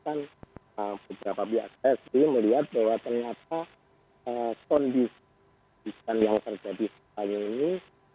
karena kan beberapa pihak sd melihat bahwa ternyata kondisi yang terjadi saat ini